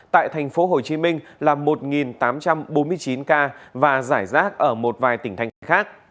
tại tp hcm là một tám trăm bốn mươi chín ca và giải rác ở một vài tỉnh thành khác